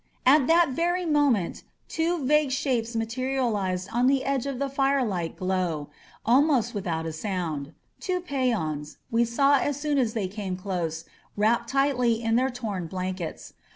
At that very moment two vague shapes materialized on the edge of the firelight glow, almost without a sound — two peons, we saw as soon as they came close, wrapped tightly in their torn blankets.